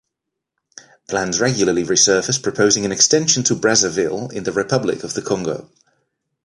Plans regularly surface proposing an extension to Brazzaville in the Republic of the Congo.